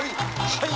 はい！